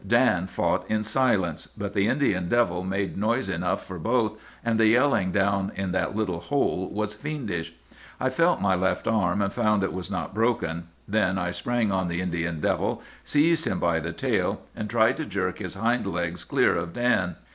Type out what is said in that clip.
"'Dan fought in silence; but the Indian devil made noise enough for both, and the yelling down in that little hole was fiendish. I felt my left arm, and found it was not broken. Then I sprang on the Indian devil, seized him by the tail, and tried to jerk his hind legs clear of Dan.